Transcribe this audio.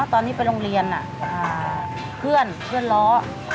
ตอนที่ไปโรงเรียนเพื่อนเพื่อนล้อ